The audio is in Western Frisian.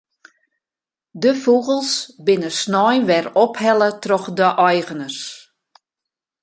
De fûgels binne snein wer ophelle troch de eigeners.